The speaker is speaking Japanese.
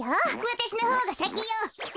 わたしのほうがさきよ！